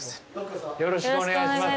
よろしくお願いします